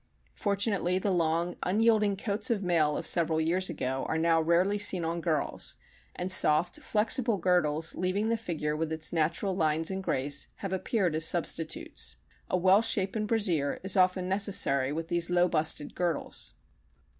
Fortunately the long, unyielding coats of mail of several years ago are now rarely seen on girls, and soft, flexible girdles leaving the figure with its natural lines and grace, have appeared as substitutes. A well shapen brassiere is often necessary with these low busted girdles.